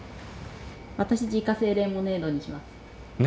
私自家製レモネードにします。ね！